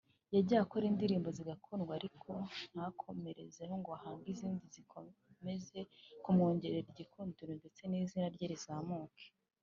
yagiye akora indirimbo zigakundwa ariko ntakomerezeho ngo ahange izindi zikomeze kumwongerera igikundiro ndetse n’izina rye rizamuke